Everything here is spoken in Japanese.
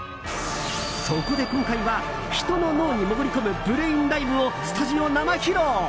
そこで今回は、人の脳に潜り込むブレインダイブをスタジオ生披露！